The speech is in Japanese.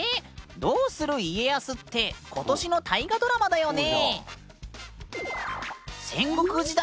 「どうする家康」って今年の大河ドラマだよね？